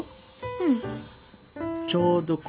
うん。